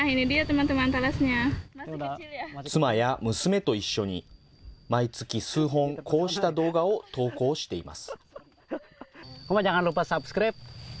妻や娘と一緒に、毎月数本、こうした動画を投稿しています。